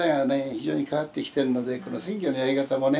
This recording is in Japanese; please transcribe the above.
非常に変わってきてるので選挙のやり方もね